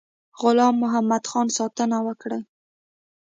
غلام محمدخان ساتنه وکړي.